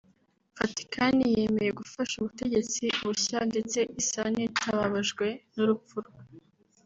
Vaticani yemeye gufasha ubutegetsi bushya ndetse isa n’itababajwe n’urupfu rwe